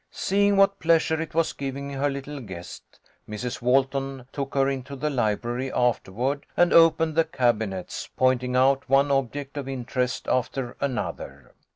Seeing what pleasure it was giving her little guest, Mrs. Walton took her into the library afterward and opened the cabinets, pointing out one object of inter est after another.